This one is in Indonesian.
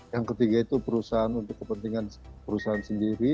yang ketiga itu perusahaan untuk kepentingan perusahaan sendiri